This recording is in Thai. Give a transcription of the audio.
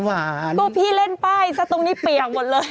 หวานก็พี่เล่นป้ายซะตรงนี้เปียกหมดเลย